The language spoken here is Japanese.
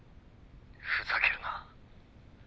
「ふざけるな」